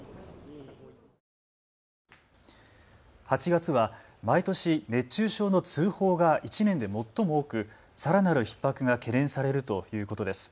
８月は毎年、熱中症の通報が１年で最も多く、さらなるひっ迫が懸念されるということです。